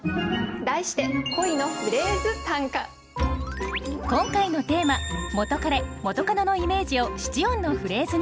題して今回のテーマ「元カレ・元カノ」のイメージを七音のフレーズに。